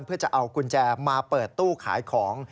เพื่อจะเอากุญแจมาเปิดตู้ขายของ